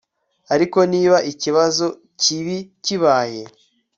ariko niba ikibazo kibi kibaye